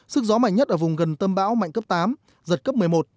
sức gió mạnh nhất ở vùng gần tâm bão mạnh cấp tám giật cấp một mươi một